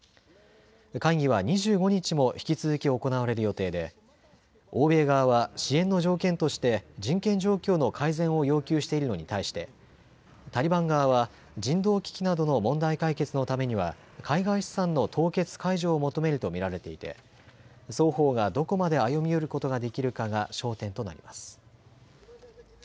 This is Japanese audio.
会議は２５日も引き続き行われる予定で欧米側は支援の条件として人権状況の改善を要求しているのに対してタリバン側は人道危機などの問題解決のためには海外資産の凍結解除を求めると見られていて双方がどこまで歩み寄ることができるかが焦点となります。